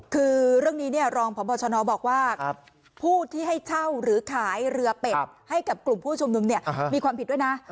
คือเรื่องนี้รองพบชนบอกว่าผู้ที่ให้เช่าหรือขายเรือเป็ดให้กับกลุ่มผู้ชุมนุมเนี่ยมีความผิดด้วยนะ